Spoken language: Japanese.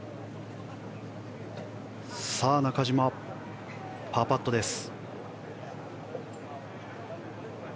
中島、パーパットです。